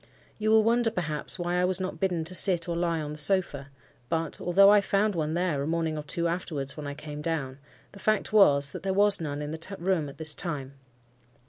You will wonder, perhaps, why I was not bidden to sit or lie on the sofa; but (although I found one there a morning or two afterwards, when I came down) the fact was, that there was none in the room at this time.